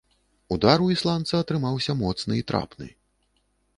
Удар у ісландца атрымаўся моцны і трапны.